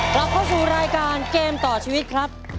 กลับเข้าสู่รายการเกมต่อชีวิตครับ